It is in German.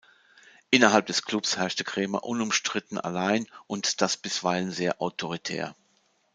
Innerhalb des Clubs herrschte Kremer unumstritten allein und das bisweilen sehr autoritär.